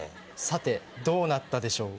さてどうなったでしょう？